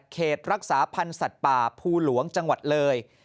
เขตรักษาพันธ์สัตว์ป่าภูหลวงจังหวัดเลย